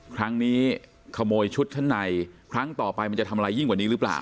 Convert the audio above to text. ครั้งนี้ขโมยชุดชั้นในครั้งต่อไปมันจะทำอะไรยิ่งกว่านี้หรือเปล่า